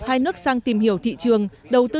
hai nước sang tìm hiểu thị trường đầu tư